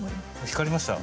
光りました。